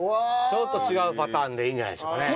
ちょっと違うパターンでいいんじゃないでしょうかね。